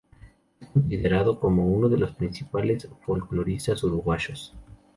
Es considerado como uno de los principales folcloristas uruguayos.